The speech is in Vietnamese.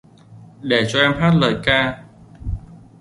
Để cho em hát lời ca